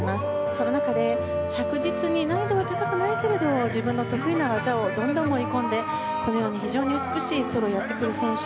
その中で着実に難易度は高くないけれども自分の得意な技をどんどん盛り込んでこのように非常に美しいソロをやってくる選手。